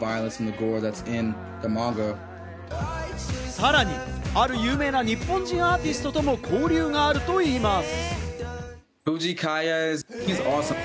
さらにある有名な日本人アーティストとも交流があるといいます。